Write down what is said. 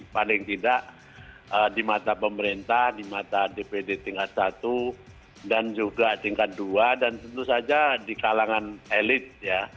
paling tidak di mata pemerintah di mata dpd tingkat satu dan juga tingkat dua dan tentu saja di kalangan elit ya